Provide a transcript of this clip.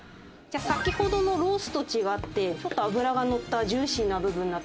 先ほどのロースと違ってちょっと脂がのったジューシーな部分になってます。